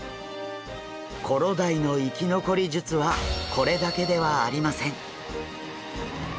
コロダイの生き残り術はこれだけではありません。